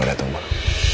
udah aku datang